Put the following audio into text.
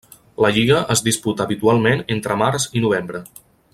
La lliga es disputa habitualment entre març i novembre.